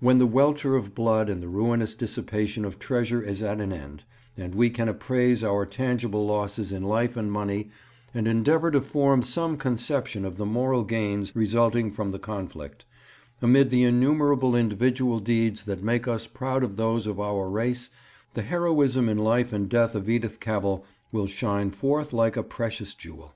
When the welter of blood and the ruinous dissipation of treasure is at an end, and we can appraise our tangible losses in life and money and endeavour to form some conception of the moral gains resulting from the conflict, amid the innumerable individual deeds that make us proud of those of our race the heroism in life and death of Edith Cavell will shine forth like a precious jewel.